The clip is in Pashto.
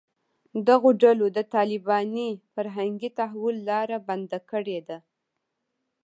دغو ډلو د طالباني فرهنګي تحول لاره بنده کړې ده